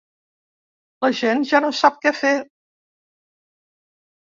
La gent ja no sap què fer.